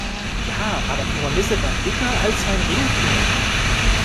Ja, aber die Hornisse war dicker als mein Ringfinger!